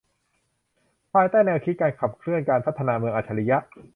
ภายใต้แนวคิดการขับเคลื่อนการพัฒนาเมืองอัจฉริยะ